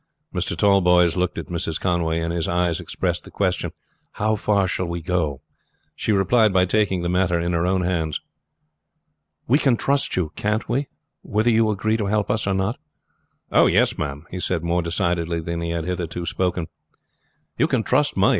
Mr. Tallboys looked at Mrs. Conway, and his eyes expressed the question, How far shall we go? She replied by taking the matter in her own hands. "We can trust you, can't we, whether you agree to help us or not?" "Yes, ma'am," he said more decidedly than he had hitherto spoken. "You can trust me.